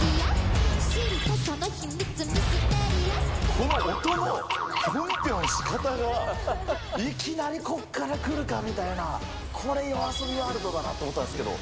この音のぴょんぴょんしかたが、いきなりこっからくるかみたいな、これ、ＹＯＡＳＯＢＩワールドだなと思ったんですけど。